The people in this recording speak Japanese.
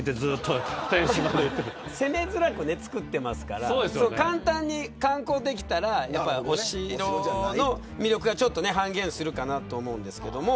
攻めづらく造ってますから簡単に観光できたらお城の魅力が半減するかなと思うんですけど。